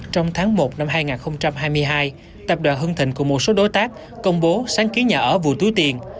trong tháng một năm hai nghìn hai mươi hai tập đoàn hưng thịnh cùng một số đối tác công bố sáng kiến nhà ở vụ túi tiền